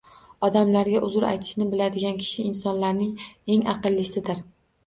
Odamlarga uzr aytishni biladigan kishi insonlarning eng aqllisidir.